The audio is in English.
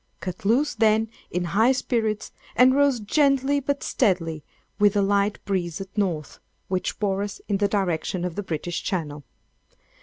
Cut loose, then, in high spirits, and rose gently but steadily, with a light breeze at North, which bore us in the direction of the British Channel.